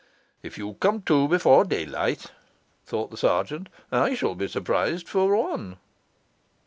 'If you come to before daylight,' thought the sergeant, 'I shall be surprised for one.